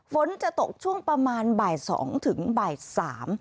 ฝนจะตกช่วงประมาณบ่ายสองถึงบ่ายสาม